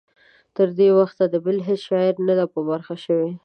تر دې وخته د بل هیڅ شاعر نه دی په برخه شوی.